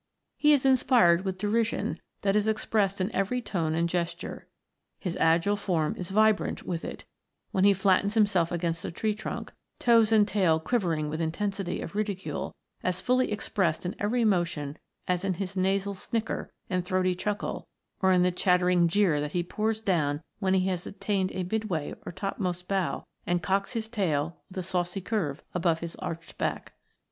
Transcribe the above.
He is inspired with derision that is expressed in every tone and gesture. His agile form is vibrant with it when he flattens himself against a tree trunk, toes and tail quivering with intensity of ridicule as fully expressed in every motion as in his nasal snicker and throaty chuckle or in the chattering jeer that he pours down when he has attained a midway or topmost bough and cocks his tail with a saucy curve above his arched back.